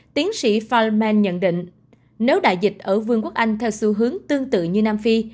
tiến sĩ fil man nhận định nếu đại dịch ở vương quốc anh theo xu hướng tương tự như nam phi